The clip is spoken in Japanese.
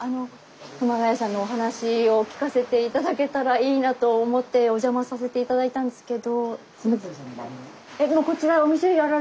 熊谷さんのお話を聞かせて頂けたらいいなと思ってお邪魔させて頂いたんですけど。